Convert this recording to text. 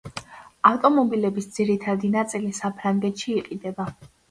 ავტომობილების ძირითადი ნაწილი საფრანგეთში იყიდება.